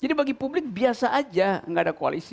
jadi bagi publik biasa saja tidak ada koalisi